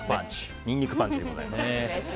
ニンニクパンチでございます。